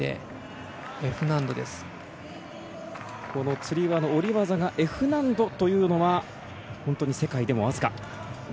つり輪の下り技がＦ難度というのは本当に世界でも僅か。